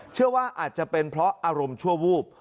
เชื่อว่าอาจจะเป็นเพราะอารมณ์ชั่ววูบ